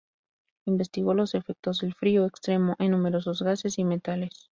Investigó los efectos del frío extremo en numerosos gases y metales.